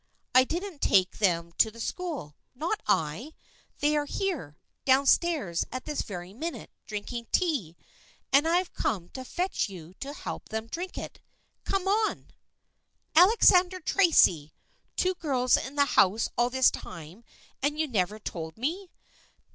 I didn't take them to the school. Not I ! They are here, down THE FRIENDSHIP OF ANNE 135 stairs at this very minute, drinking tea, and I've come to fetch you to help them drink it. Come on !"" Alexander Tracy ! Two girls in the house all this time and you never told me